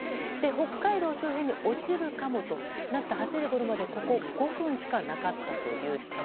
北海道周辺に落ちるかもとなった８時ごろまで５分しかなかったという点。